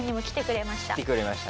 来てくれましたね。